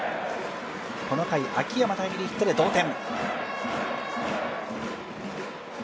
この回、秋山、タイムリーヒットで同点。